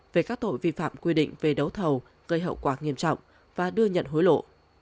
về các tội vi phạm quy định về đấu thầu gây hậu quả nghiêm trọng và đưa nhận hối lộ